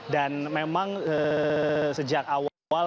dan memang sejak awal